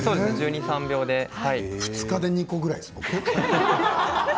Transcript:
２日で２個ぐらいですよ。